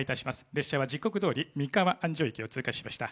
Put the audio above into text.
列車は時刻どおり三河安城駅を通過しました。